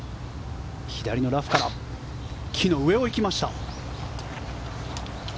左のラフから木の上を行きました。